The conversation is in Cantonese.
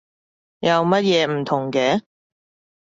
有乜嘢唔同嘅？